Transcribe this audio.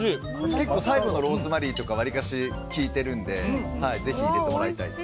結構、最後のローズマリーとかわりかし効いてるのでぜひ入れてもらいたいです。